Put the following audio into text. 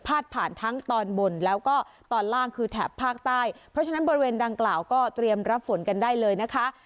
ผ่านทั้งตอนบนแล้วก็ตอนล่างคือแถบภาคใต้เพราะฉะนั้นบริเวณดังกล่าวก็เตรียมรับฝนกันได้เลยนะคะ